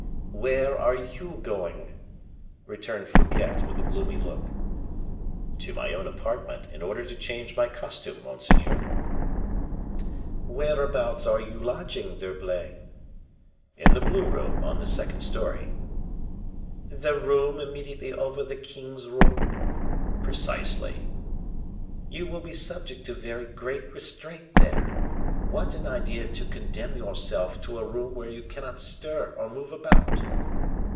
"Where are you going?" returned Fouquet, with a gloomy look. "To my own apartment, in order to change my costume, monseigneur." "Whereabouts are you lodging, D'Herblay?" "In the blue room on the second story." "The room immediately over the king's room?" "Precisely." "You will be subject to very great restraint there. What an idea to condemn yourself to a room where you cannot stir or move about!"